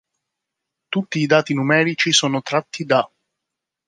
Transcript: Tutti i dati numerici sono tratti da